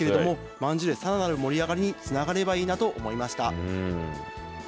まんじゅう、でさらなる盛り上がりにつながればいいなと思いました。